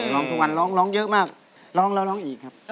ร้องทุกวันร้องร้องเยอะมากร้องแล้วร้องอีกครับ